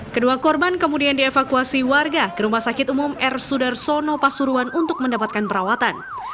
kedua korban kemudian dievakuasi warga ke rumah sakit umum r sudarsono pasuruan untuk mendapatkan perawatan